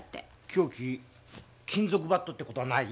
凶器金属バットって事はない？